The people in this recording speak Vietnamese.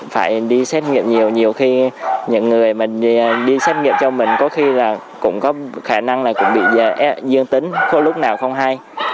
phải đi xét nghiệm nhiều nhiều khi những người mình đi xét nghiệm cho mình có khi là cũng có khả năng là cũng bị dương tính có lúc nào không hay